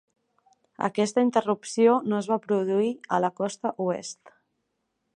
Aquesta interrupció no es va produir a la costa oest.